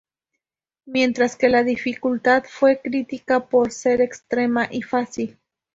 Mientras que la dificultad fue critica por ser "extrema y fácil".